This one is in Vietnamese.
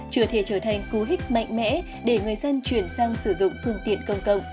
chưa thể trở thành cú hích mạnh mẽ để người dân chuyển sang sử dụng phương tiện công cộng